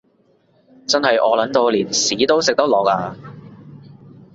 真係餓 𨶙 到連屎都食得落呀